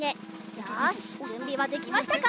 よしじゅんびはできましたか？